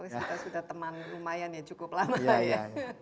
kita sudah teman lumayan ya cukup lama ya